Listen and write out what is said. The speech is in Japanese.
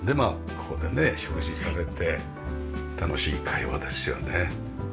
ここでね食事されて楽しい会話ですよね。